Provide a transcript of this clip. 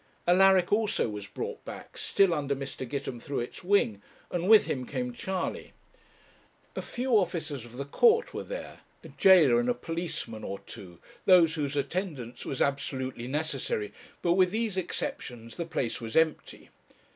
Alaric, also, was brought back, still under Mr. Gitemthruet's wing, and with him came Charley. A few officers of the court were there, a jailer and a policeman or two, those whose attendance was absolutely necessary, but with these exceptions the place was empty.